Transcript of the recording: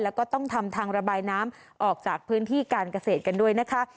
แล้วก็ต้องทำทางระบายน้ำออกจากพื้นที่การเกษตรกันด้วยนะคะ